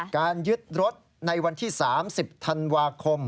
การยึดรถในวันที่๓๐ธันวาคม